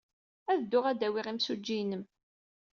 Ad dduɣ ad d-awiɣ imsujji-nnem.